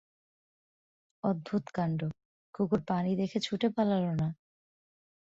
অদ্ভুত কাণ্ড, কুকুর পানি দেখে ছুটে পালাল না!